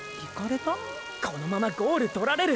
このままゴールとられる！